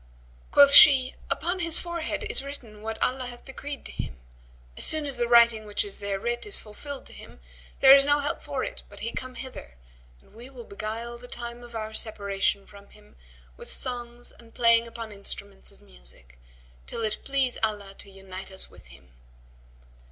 Quoth she, 'Upon his forehead is written what Allah hath decreed to him; as soon as the writing which is there writ is fulfilled to him, there is no help for it but he come hither, and we will beguile the time of our separation from him with songs and playing upon instruments of music, till it please Allah to unite us with him.'